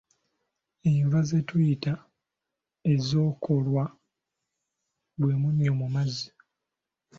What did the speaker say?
Enva ze tuyita ez’enkolwa gwe munnyo mu mazzi.